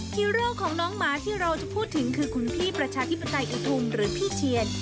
ฮีโร่ของน้องหมาที่เราจะพูดถึงคือคุณพี่ประชาธิปไตยอินทุมหรือพี่เชียน